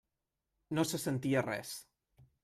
No se sentia res.